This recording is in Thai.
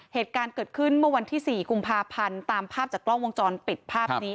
เหตุการณ์เกิดขึ้นเมื่อวันที่๔กุมภาพันธ์ตามภาพจากกล้องวงจรปิดภาพนี้